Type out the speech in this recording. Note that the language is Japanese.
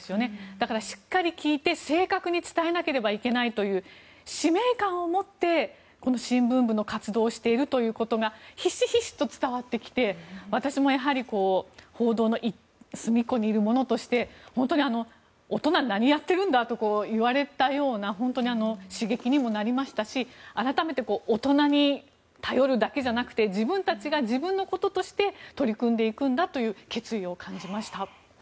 だからしっかり聞いて、正確に伝えなければいけないという使命感を持ってこの新聞部の活動をしているということがひしひしと伝わってきて私もやはり報道の隅っこにいる者として本当に大人、何やってるんだと言われたような本当に刺激にもなりましたし改めて大人に頼るだけじゃなくて自分たちが自分のこととして取り組んでいくんだという決意を感じました。